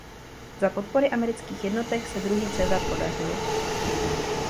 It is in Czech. Za podpory amerických jednotek se druhý převrat podařil.